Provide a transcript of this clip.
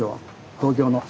東京の。